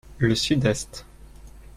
Le sud-est.